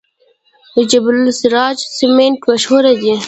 د جبل السراج سمنټ مشهور دي